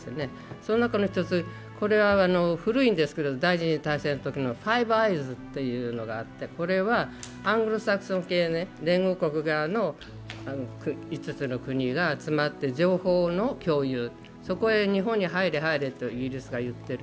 その中の一つ、これは古いんですけど、第二次大戦のときのファイブ・アイズというのがあってアングロサクソン系の連合国側の５つの国が集まって情報の共有、そこへ日本に入れとイギリスが言っている。